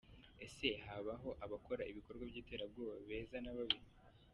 Ese habaho abakora ibikorwa by’iterabwoba beza n’ababi?